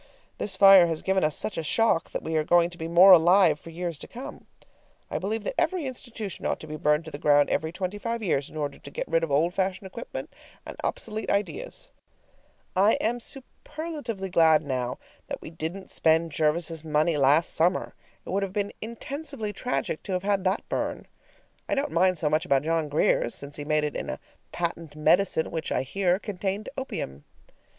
This fire has given us such a shock that we are going to be more alive for years to come. I believe that every institution ought to be burned to the ground every twenty five years in order to get rid of old fashioned equipment and obsolete ideas. I am superlatively glad now that we didn't spend Jervis's money last summer; it would have been intensively tragic to have had that burn. I don't mind so much about John Grier's, since he made it in a patent medicine which, I hear, contained opium.